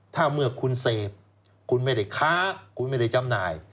ถ้าเมื่อคุณเสพคุณไม่ได้ค้าคุณไม่ได้จำหน่าย